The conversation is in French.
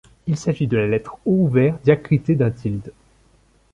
Il s’agit de la lettre O ouvert diacritée d'un tilde.